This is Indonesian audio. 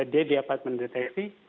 dia dapat mendeteksi